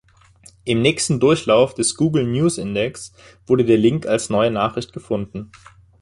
Im nächsten Durchlauf des Google News-Index wurde der Link als neue Nachricht gefunden.